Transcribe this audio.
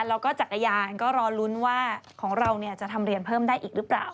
แล้วก็จักรยานก็รอลุ้นว่าของเราจะทำเรียนเพิ่มได้อีกหรือเปล่า